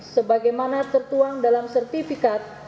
sebagaimana tertuang dalam sertifikat